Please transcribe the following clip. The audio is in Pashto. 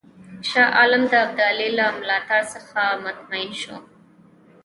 شاه عالم د ابدالي له ملاتړ څخه مطمئن شو.